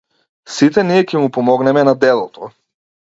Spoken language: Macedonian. Сите ние ќе му помогнеме на дедото.